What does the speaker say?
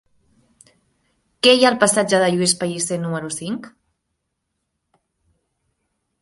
Què hi ha al passatge de Lluís Pellicer número cinc?